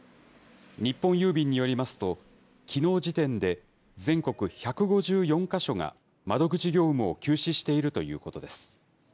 日本郵便によりますと、きのう時点で全国１５４か所が、窓口業務を休止しているということです。